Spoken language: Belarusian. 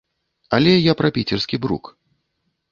Але я пра піцерскі брук.